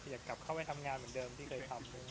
อยากกลับเข้าไปทำงานเหมือนเดิมที่เคยทำ